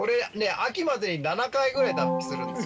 秋までに７回ぐらい脱皮するんです。